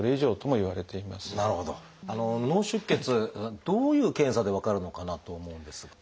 脳出血どういう検査で分かるのかなと思うんですが。